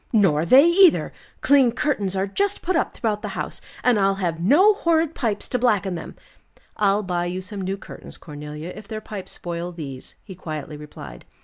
"Nor they either. Clean curtains are just put up throughout the house, and I'll have no horrid pipes to blacken them." "I'll buy you some new curtains, Cornelia, if their pipes spoil these," he quietly replied.